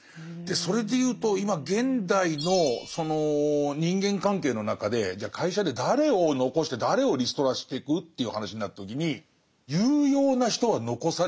それで言うと今現代のその人間関係の中でじゃあ会社で誰を残して誰をリストラしてく？という話になった時に有用な人は残されると思うんですよ。